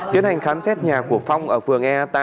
tiến hành khám xét nhà của phong ở phường e ba